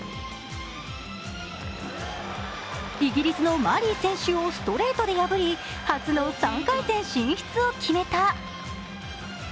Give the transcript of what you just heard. イギリスのマリー選手をストレートで破り初の３回戦進出を決めた。